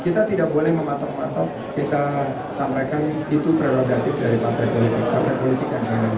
kita tidak boleh mematok matok kita sampaikan itu prerogatif dari partai politik yang ada